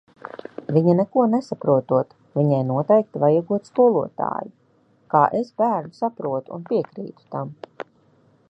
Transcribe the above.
Viņa neko nesaprotot, viņai noteikti vajagot skolotāju! kā es bērnu saprotu un piekrītu tam!